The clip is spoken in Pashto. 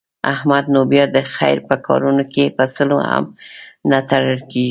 احمد نو بیا د خیر په کارونو کې په سلو هم نه تړل کېږي.